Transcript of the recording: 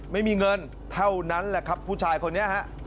ไม่มีเงินเท่านั้นแหละครับผู้ชายคนนี้ฮะ